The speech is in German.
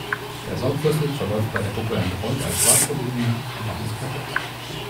Der Saugrüssel verläuft bei der Puppe entrollt als schwarze Linie entlang des Körpers.